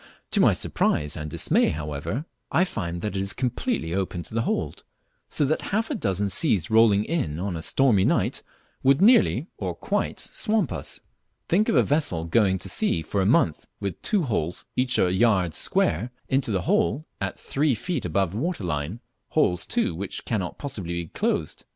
To my surprise end dismay, however, I find that it is completely open to the hold, so that half a dozen seas rolling in on a stormy night would nearly, or quite, swamp us. Think of a vessel going to sea for a month with two holes, each a yard square, into the hold, at three feet above the water line, holes, too, which cannot possibly be closed!